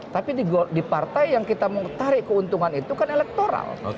tapi di partai yang kita mau tarik keuntungan itu kan elektoral